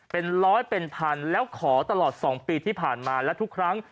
เป็นร้อยเป็นพันแล้วขอตลอด๒ปีที่ผ่านมาและทุกครั้ง